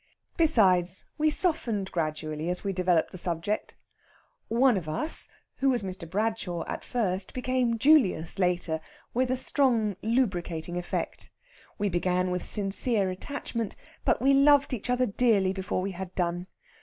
Besides, we softened gradually as we developed the subject. One of us, who was Mr. Bradshaw at first, became Julius later, with a strong lubricating effect. We began with sincere attachment, but we loved each other dearly before we had done.